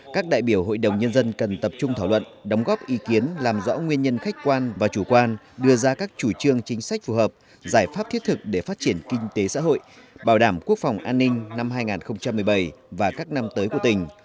các đại biểu hội đồng nhân dân cần tập trung thảo luận đóng góp ý kiến làm rõ nguyên nhân khách quan và chủ quan đưa ra các chủ trương chính sách phù hợp giải pháp thiết thực để phát triển kinh tế xã hội bảo đảm quốc phòng an ninh năm hai nghìn một mươi bảy và các năm tới của tỉnh